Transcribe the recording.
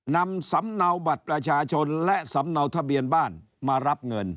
นำสำเนาบัตรประชาชนและสำเนาทะเบียนบ้านมารับเงิน